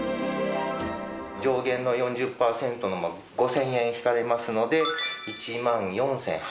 上限の４０％の５０００円引かれますので、１万４８００円。